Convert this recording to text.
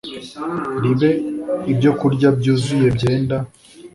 ribe ibyokurya byuzuye byenda